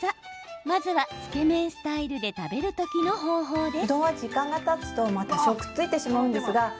まずは、つけ麺スタイルで食べる時の方法です。